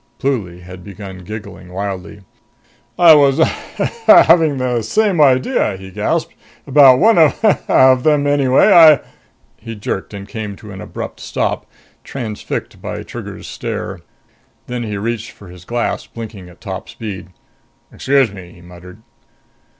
Pluly had begun giggling wildly. "I was ha ha having the same idea!" he gasped. "About one of ha ha of 'em anyway! I " He jerked and came to an abrupt stop, transfixed by Trigger's stare. Then he reached for his glass, blinking at top speed. "Excuse me," he muttered.